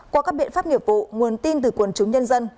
qua các biện pháp nghiệp vụ nguồn tin từ quần chúng nhân dân